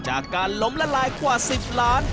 จากการล้มละลายกว่า๑๐ล้าน